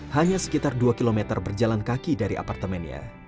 hanya sekitar dua km berjalan kaki dari apartemennya